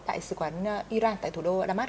tại sứ quán iran tại thủ đô damas